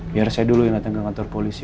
biar saya dulu yang datang ke kantor polisi